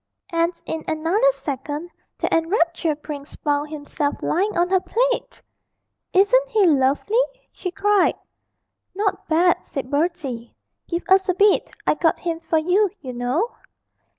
And in another second the enraptured prince found himself lying on her plate! 'Isn't he lovely?' she cried. 'Not bad,' said Bertie; 'give us a bit I got him for you, you know.'